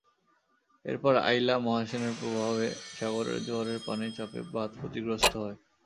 এরপর আইলা, মহাসেনের প্রভাবে সাগরের জোয়ারের পানির চাপে বাঁধ ক্ষতিগ্রস্ত হয়।